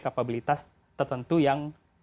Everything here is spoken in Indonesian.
kapabilitas tertentu yang